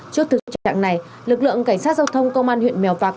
trước thực trạng này lực lượng cảnh sát giao thông công an huyện mèo vạc